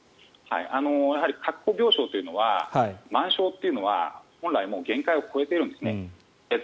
確保病床というのは満床というのは本来、限界を超えているんですね。